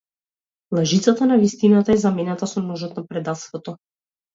Лажицата на вистината е заменета со ножот на предавството!